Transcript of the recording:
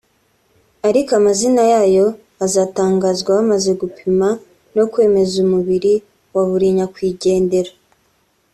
ariko amazina yabo azatangazwa bamaze gupima no kwemeza umubiri wa buri nyakwigendera